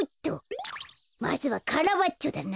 まずはカラバッチョだな。